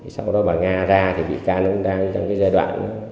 sau đó bà nga ra thì bị can cũng đang trong cái giai đoạn